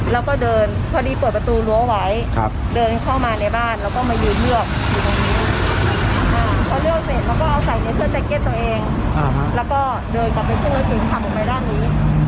เราก็เดินนที่เข้าหลายตึงขับออกไปด้านนี่